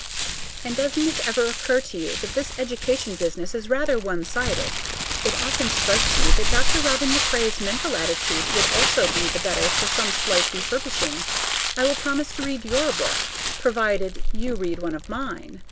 And doesn't it ever occur to you that this education business is rather one sided? It often strikes me that Dr. Robin MacRae's mental attitude would also be the better for some slight refurbishing. I will promise to read your book, provided you read one of mine.